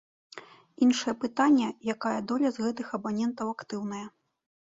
Іншае пытанне, якая доля з гэтых абанентаў актыўная.